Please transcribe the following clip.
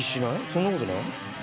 そんなことない？